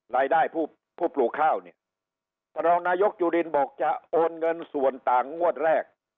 รายได้ผู้ปลูกข้าวเนี่ยท่านรองนายกจุลินบอกจะโอนเงินส่วนต่างงวดแรก